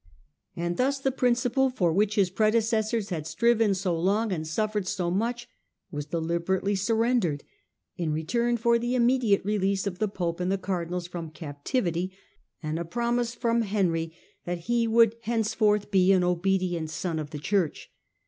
And He^^Snd *'^^^*^® principle for which his predecessors ^*^^ had striven so long and suffered so much was deliberately surrendered, in return for the immediate release of the pope and the cardinals from captivity, and ft promise from Henry that he would henceforth be an obedient son of the Church.